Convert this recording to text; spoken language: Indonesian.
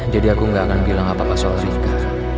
jadi aku gak akan bilang apa apa soal rika